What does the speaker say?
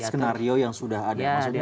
skenario yang sudah ada maksudnya seperti apa